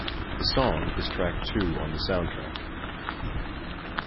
The song is track two on the soundtrack.